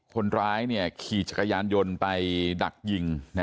คนร้ายขี่จักรยานยนต์ไปดักยิง